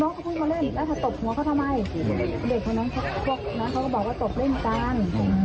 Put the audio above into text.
น้องเขาเพิ่งเขาเล่นแล้วเขาตบหัวเขาทำไมเด็กของน้องเขาก็บอกว่าตบเล่นกันอืม